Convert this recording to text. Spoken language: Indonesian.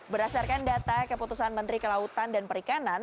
berdasarkan data keputusan menteri kelautan dan perikanan